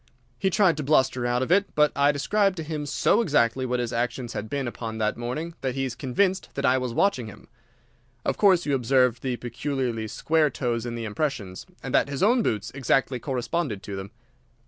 "He tried to bluster out of it, but I described to him so exactly what his actions had been upon that morning that he is convinced that I was watching him. Of course you observed the peculiarly square toes in the impressions, and that his own boots exactly corresponded to them.